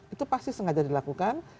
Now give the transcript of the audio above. itu pasti sengaja dilakukan